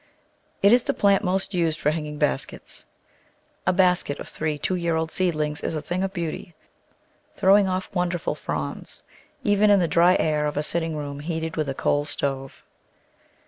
It is the plant most used for hanging baskets. A basket of three two year old seedlings is a thing of beauty, throwing off wonderful fronds— even in the dry air of a sitting room heated with a coal stove.